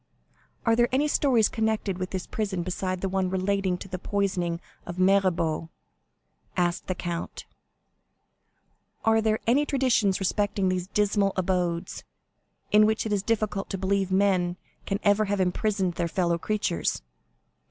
"Are there any stories connected with this prison besides the one relating to the poisoning of Mirabeau?" asked the count; "are there any traditions respecting these dismal abodes,—in which it is difficult to believe men can ever have imprisoned their fellow creatures?"